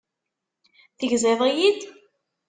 Tegziḍ-iyi-d?